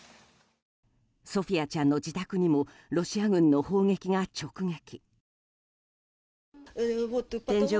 ソフィヤちゃんの自宅にもロシア軍の砲撃が直撃。